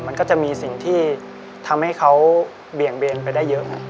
มันก็จะมีสิ่งที่ทำให้เขาเบี่ยงเบนไปได้เยอะครับ